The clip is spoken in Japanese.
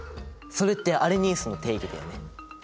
それってアレニウスの定義だよね。